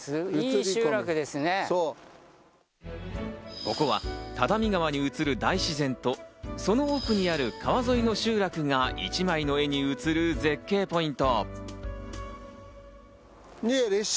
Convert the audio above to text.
ここは只見川に映る大自然とその奥にある川沿いの集落が１枚の絵に映る絶景ポイント。